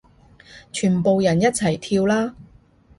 全部人一齊跳啦